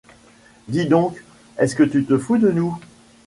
Dis donc, est-ce que tu te fous de nous ?…